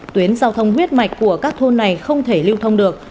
tuyến giao thông huyết mạch của các thôn này không thể lưu thông được